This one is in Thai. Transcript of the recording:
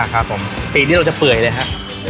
ครับผมปีกนี้เราจะเปื่อยเลยครับ